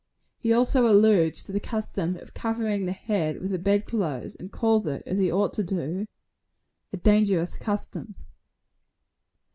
He also alludes to the custom of covering the head with the bedclothes and calls it, as he ought to do, "a dangerous custom."